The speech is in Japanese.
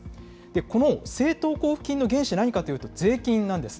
この政党交付金の原資、何かというと、税金なんです。